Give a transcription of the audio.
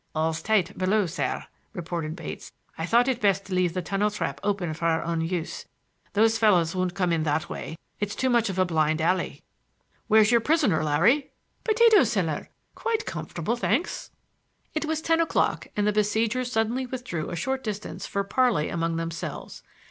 "All's tight below, sir," reported Bates. "I thought it best to leave the tunnel trap open for our own use. Those fellows won't come in that way,—it's too much like a blind alley." "Where's your prisoner, Larry?" "Potato cellar, quite comfortable, thanks!" It was ten o'clock and the besiegers suddenly withdrew a short distance for parley among themselves.